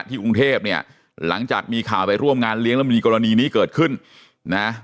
กรุงเทพเนี่ยหลังจากมีข่าวไปร่วมงานเลี้ยงแล้วมันมีกรณีนี้เกิดขึ้นนะ